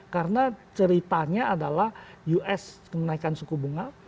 karena ceritanya adalah us kenaikan suku bunga